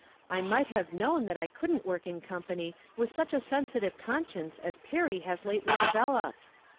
I might have known that I couldn't work in company with such a' sensitive conscience as Perry has lately developed.